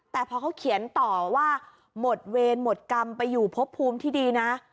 แต่พอเขาเขียนต่อว่าหมดเวรหมดกรรมไปอยู่พบภูมิที่ดีนะ